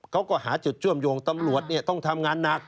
เขาก็หาจุดเจ้มโยงตำรวจเนี่ยต้องทำงานหนัก